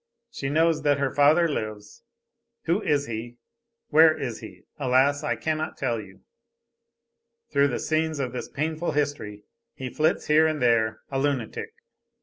She knows that her father lives. Who is he, where is he? Alas, I cannot tell you. Through the scenes of this painful history he flits here and there a lunatic!